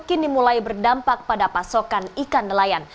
kini mulai berdampak pada pasokan ikan nelayan